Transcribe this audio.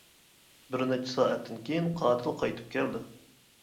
بىر نەچچە سائەتتىن كىيىن، قاتىل قايتىپ كەلدى.